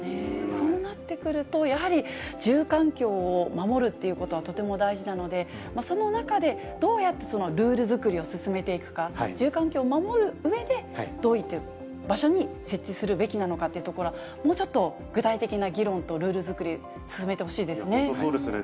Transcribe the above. そうなってくると、やはり住環境を守るということはとても大事なので、その中で、どうやってそのルール作りを進めていくか、住環境を守るうえで、どういった場所に設置するべきなのかというところは、もうちょっと具体的な議論とルール作り、進めてほしい本当そうですね。